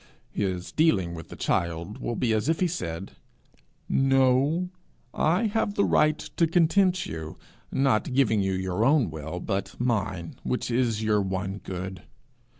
his dealing with that child will be as if he said 'No; I have the right to content you, not giving you your own will but mine, which is your one good.